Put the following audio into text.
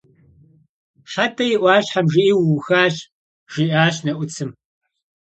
«Хьэтӏэ и ӏуащхьэм жыӏи, уухащ», – жиӏащ Нэӏуцым.